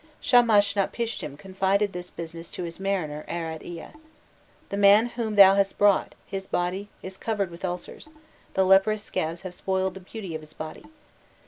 Shamashnapishtim confided this business to his mariner Arad Ea: "'The man whom thou hast brought, his body is covered with ulcers, the leprous scabs have spoiled the beauty of his body.